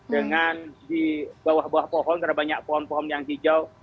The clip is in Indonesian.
dengan di bawah bawah pohon karena banyak pohon pohon yang hijau